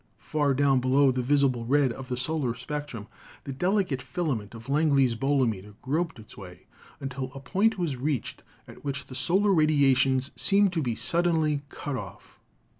Far down below the visible red of the solar spectrum the delicate filament of Langley's bolometer groped its way until a point was reached at which the solar radiations seem to be suddenly cut off.